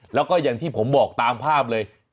แล้วก็อย่างที่ผมบอกตามภาพเลย